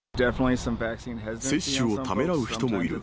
接種をためらう人もいる。